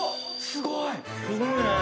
すごいね！